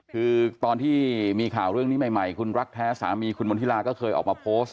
คือตอนที่มีข่าวเรื่องนี้ใหม่คุณรักแท้สามีคุณมณฑิลาก็เคยออกมาโพสต์